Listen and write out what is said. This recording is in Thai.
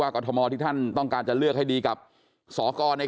บางคนเขียนมือเข้าไปเลยนะเดี๋ยวลืม